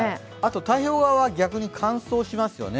太平洋側は逆に乾燥しますよね。